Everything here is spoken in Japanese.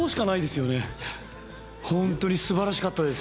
本当に素晴らしかったです。